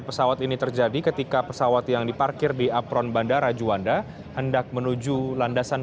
pesawat ini terjadi ketika pesawat yang diparkir di apron bandara juanda hendak menuju landasan